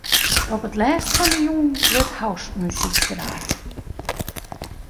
Op it lêst fan 'e jûn wurdt housemuzyk draaid.